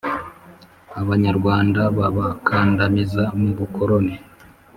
abanyarwanda babakandamiza mu bukoloni.